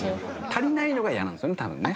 足りないのが嫌なんですよね多分ね。